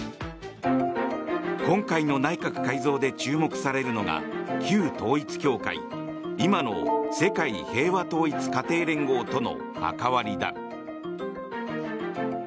今回の内閣改造で注目されるのが旧統一教会今の世界平和統一家庭連合との関わりだ。